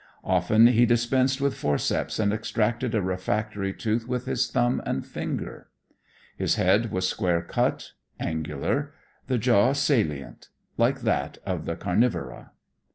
Often he dispensed with forceps and extracted a refractory tooth with his thumb and finger. His head was square cut, angular; the jaw salient: like that of the carnivora.